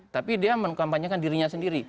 tapi dia mengkampanyekan dirinya sendiri